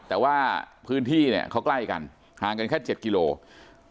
แต่ว่าพื้นที่เขากล้ายกันห่างกันแค่๗กิโลเมตร